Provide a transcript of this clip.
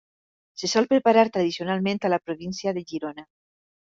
Se sol preparar tradicionalment a la província de Girona.